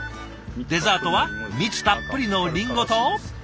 デザートは蜜たっぷりのリンゴと。